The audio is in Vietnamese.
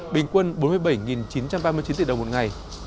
bình quân bốn mươi bảy chín trăm ba mươi chín tỷ đồng một ngày